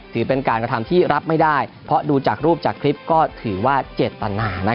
ถือเป็นการกระทำที่รับไม่ได้เพราะดูจากรูปจากคลิปก็ถือว่าเจตนา